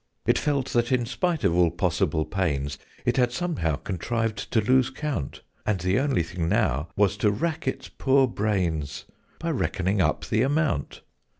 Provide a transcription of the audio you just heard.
It felt that, in spite of all possible pains, It had somehow contrived to lose count, And the only thing now was to rack its poor brains By reckoning up the amount.